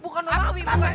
bukan omawi mbak be